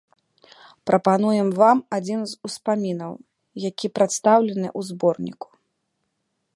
Прапануем вам адзін з успамінаў, які прадстаўлены ў зборніку.